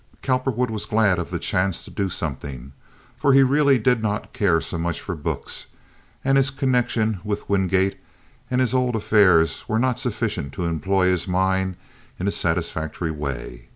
Cowperwood was glad of the chance to do something, for he really did not care so much for books, and his connection with Wingate and his old affairs were not sufficient to employ his mind in a satisfactory way.